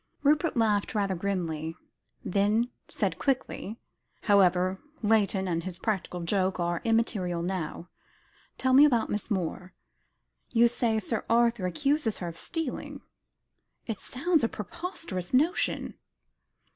Rupert laughed rather grimly; then said quickly: "However, Layton and his practical joke are immaterial now. Tell me about Miss Moore. You say Sir Arthur accuses her of stealing? It sounds a preposterous notion."